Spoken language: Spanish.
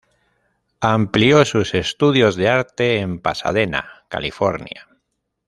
Amplió sus estudios de arte en Pasadena, California.